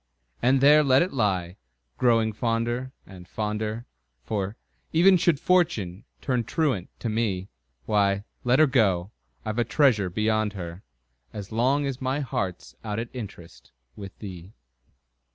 And there let it lie, growing fonder and, fonder For, even should Fortune turn truant to me, Why, let her go I've a treasure beyond her, As long as my heart's out at interest With thee!